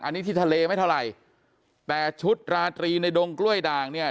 อันนี้ที่ทะเลไม่เท่าไหร่แต่ชุดราตรีในดงกล้วยด่างเนี่ย